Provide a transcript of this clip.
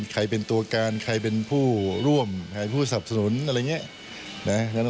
ใครเป็นตัวการใครเป็นผู้ร่วมใครผู้สับสนุนอะไรอย่างนี้